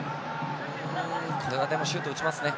これはでもシュート打ちますね。